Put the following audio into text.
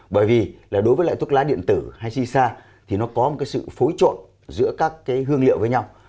bởi vì là đối với lại thuốc lá điện tử hay si sa thì nó có một cái sự phối trộn giữa các cái hương liệu với nhau